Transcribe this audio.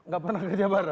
gak pernah kerja bareng